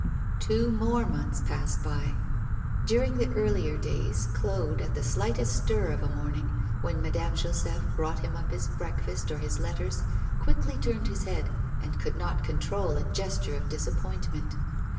Two more months passed by. During the earlier days Claude, at the slightest stir of a morning, when Madame Joseph brought him up his breakfast or his letters, quickly turned his head, and could not control a gesture of disappointment.